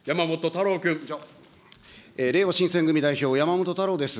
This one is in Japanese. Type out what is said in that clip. れいわ新選組代表、山本太郎です。